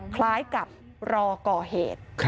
คล้ายกับรอก่อเหตุ